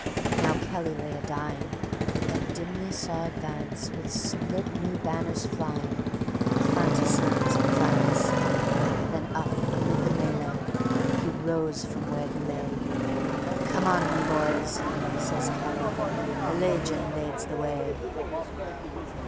_ Now Kelly lay a dying, And dimly saw advance, With split new banners flying, The fantassins of France. Then up amid the melee He rose from where he lay; "Come on, me boys," says Kelly, "The Layjun lades the way!"